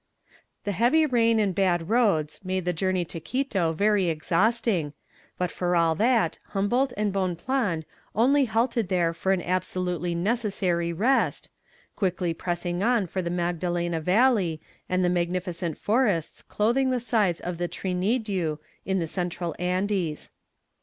The heavy rain and bad roads made the journey to Quito very exhausting, but for all that Humboldt and Bonpland only halted there for an absolutely necessary rest, quickly pressing on for the Magdalena valley, and the magnificent forests clothing the sides of the Trinidiu in the Central Andes.